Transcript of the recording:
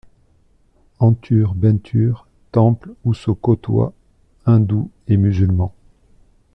Antur Bentur, temple où se côtoient hindous et musulmans.